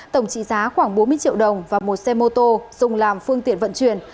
tổng trị giá khoảng bốn mươi triệu đồng và một xe mô tô dùng làm phương tiện vận chuyển